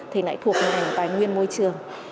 thì lại thuộc ngành tài nguyên môi trường